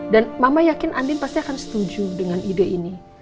dan mama yakin andin pasti akan setuju dengan ide ini